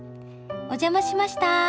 ・お邪魔しました。